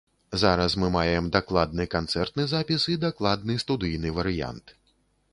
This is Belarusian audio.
Зараз мы маем дакладны канцэртны запіс і дакладны студыйны варыянт.